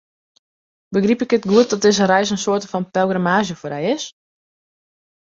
Begryp ik it goed dat dizze reis in soarte fan pelgrimaazje foar dy is?